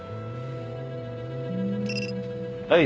はい。